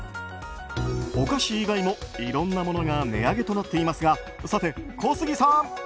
お菓子以外もいろんなものが値上げとなっていますがさて、小杉さん！